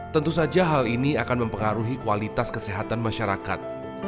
tentu saja hal ini akan mempengaruhi kualitas kesehatan masyarakat